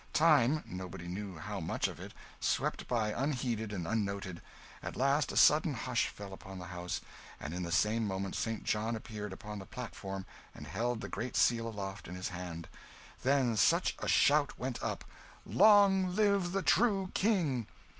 Time nobody knew how much of it swept by unheeded and unnoted. At last a sudden hush fell upon the house, and in the same moment St. John appeared upon the platform, and held the Great Seal aloft in his hand. Then such a shout went up "Long live the true King!"